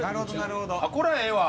これええわ！